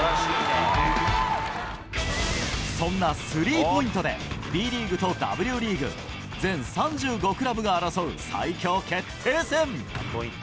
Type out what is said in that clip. そんなスリーポイントで、ＢリーグとＷリーグ、全３５クラブが争う最強決定戦。